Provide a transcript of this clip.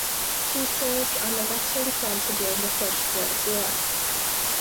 He served on the Western Front during the First World War.